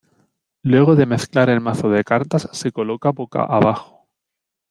Luego de mezclar el mazo de cartas se coloca boca abajo.